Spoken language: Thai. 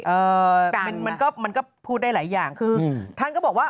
เออมันก็พูดได้หลายอย่างคือท่านก็บอกว่า